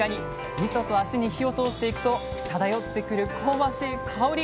みそと脚に火を通していくと漂ってくる香ばしい香り。